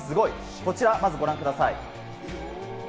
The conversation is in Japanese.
こちらをご覧ください。